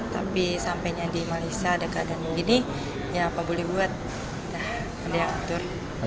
tapi sampainya di malaysia ada keadaan begini ya apa boleh buat ada yang atur